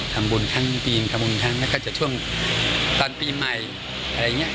ทั้งปีนทำบุญครั้งแล้วก็จะช่วงตอนปีใหม่อะไรอย่างนี้